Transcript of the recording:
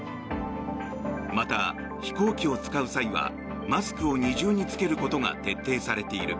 また、飛行機を使う際はマスクを二重に着けることが徹底されている。